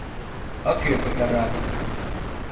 А кӧ пытара?